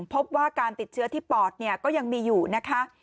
พบว่าการติดเชื้อที่ปอดก็ยังมีอยู่นะคะ